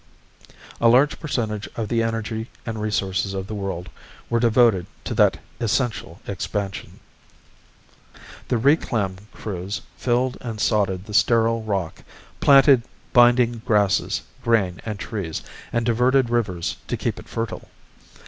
A large percentage of the energy and resources of the world were devoted to that essential expansion. The reclam crews filled and sodded the sterile rock, planted binding grasses, grain and trees, and diverted rivers to keep it fertile.